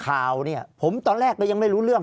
ภารกิจสรรค์ภารกิจสรรค์